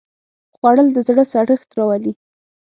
خوړل د زړه سړښت راولي